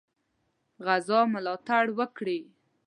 غزا ملاتړ وکړي.